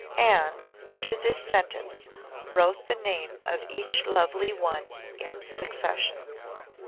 And under this sentence wrote the name of each lovely one in succession.